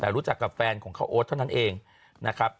แต่รู้จักกับแฟนของเขาโอ๊ตเท่านั้นเองนะครับ